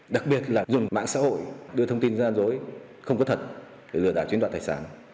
đặc biệt là dùng mạng xã hội đưa thông tin gian dối không có thật để lừa đảo chiếm đoạt tài sản